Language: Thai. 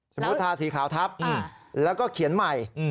สมมุติทางสีขาวทับแล้วก็เขียนใหม่